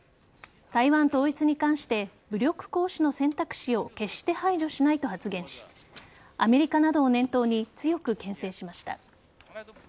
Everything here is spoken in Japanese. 台湾統一に関して武力行使の選択肢を決して排除しないと発言しアメリカなどを念頭に強くけん制しました。